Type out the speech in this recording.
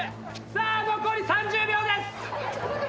さあ残り３０秒です。